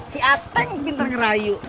si ateng pintar ngerayu